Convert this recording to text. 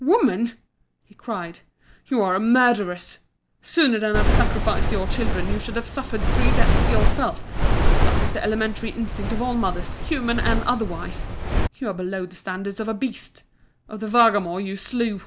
"Woman!" he cried, "you are a murderess. Sooner than have sacrificed your children you should have suffered three deaths yourself that is the elementary instinct of all mothers, human and otherwise. You are below the standard of a beast of the Vargamor you slew.